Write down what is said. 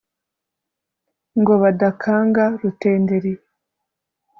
ngo badakanga rutenderi